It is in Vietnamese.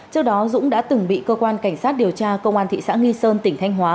trước đó dũng đã từng bị cơ quan cảnh sát điều tra công an thị xã nghi sơn tỉnh thanh hóa